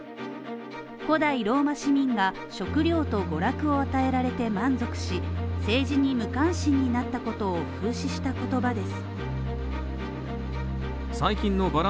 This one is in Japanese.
古代ローマ市民が食料と娯楽を与えられて満足し、政治に無関心になったことを風刺した言葉です。